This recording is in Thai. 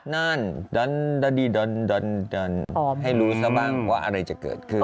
นั่นดันดาดี้ดันดันดันให้รู้ซะบ้างว่าอะไรจะเกิดขึ้น